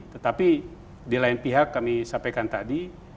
tetapi di lain pihak kami sampaikan tadi